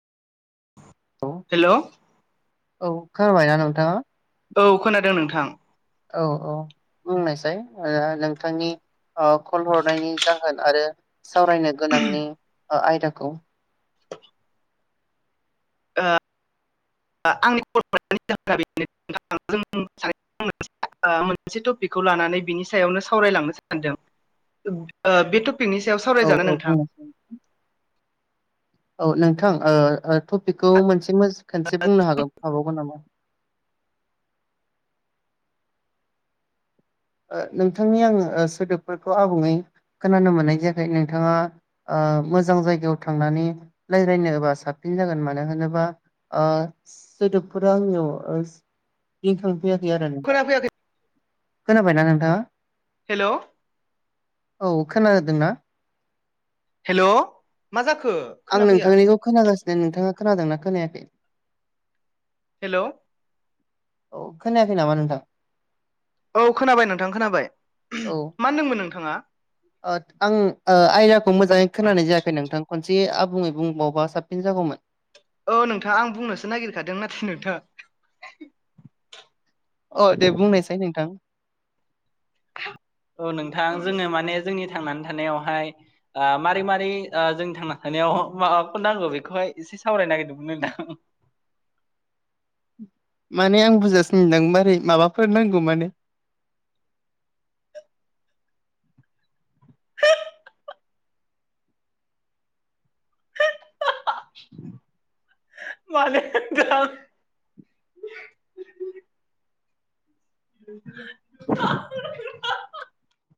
औ हेलोव खोनाबायना नोंथां औ खोनादों नोंथां औ औ बुंनायसाय ओ नोंथांनि ओ कल हरनायनि जाहोन आरो सावरायनो गोनांनि आयदाखौ ओ आ आंनि [unintelligible] [unintelligible] मोनसे टपिकखौ लानानै बिनि सायावनो सावरायलांनो सानदों ओ बे [unintelligible] पिकनि सायाव औ सावरायजानो औ नोंथां बुंनोसै औ नोंथां ओ टपिकखौ ओ ओ मोनसे खनसे बुंनो हागोन हाबावगोन नामा ओ नोंथांनि आङो सोदोबफोरखौ आबुङै खोनानो मोननाय जायाखै नोंथाङा ओ मोजां जायगायाव थांनानै रायज्लायनो एबा साबसिन साबसिन जागोन मानो होनोबा ओ सोदोबफोरा आंनियाव फैयाखै आरो नोंथां खोनाफैयाखै खोनाबायना नोंथाङा हेलौ औ खोनादोंना हेल' नोंथाङा खो आं नोंथांनिखौ खोनागासिनो नोंथाङा खोनादोंना खोनायाखै हेलौ औ खोनाखै नामा नोंथा औ खोनाबाय नोंथां खोनाबाय मा औ होनदोंमोन नोंथाङा ओ आं ओ आयदाखौ मोजाङै खोनानाय जायाखै नोंथां खनसे आबुङै बुंबावबा साबसिन जागौमोन औ नोंथाङा आं बुंनोसो नागिरखादों नाथाय नोंथाङ अ दे बुंनोसै नोंथां [unintelligible] औ नोंथां जोंङो माने जोंनि थांनानै थानायावहाय ओ मारै मारै जोंनि थांना थानाय माबाफोर नांगौ बेखौहाय एसे सावरायनो नागिरदोंमोन नोथां माने आं बुरजायासै नोथां मारै माबाफोर नांगौ माने [unintelligible] [unintelligible] माल [unintelligible] [unintelligible]